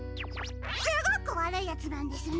すごくわるいヤツなんですね。